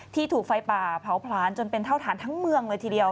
ถูกไฟป่าเผาผลาญจนเป็นเท่าฐานทั้งเมืองเลยทีเดียว